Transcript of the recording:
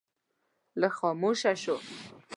لږ خاموشه شو.